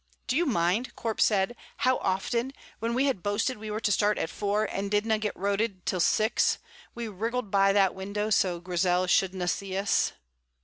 "Do you mind," Corp said, "how often, when we had boasted we were to start at four and didna get roaded till six, we wriggled by that window so that Grizel shouldna see us?"